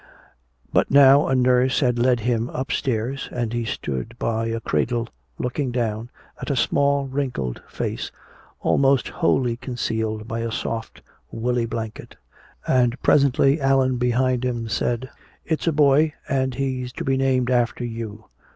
But now a nurse had led him upstairs, and he stood by a cradle looking down at a small wrinkled face almost wholly concealed by a soft woolly blanket. And presently Allan behind him said, "It's a boy, and he's to be named after you."